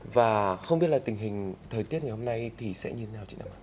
và không biết là tình hình thời tiết ngày hôm nay thì sẽ như thế nào chị năm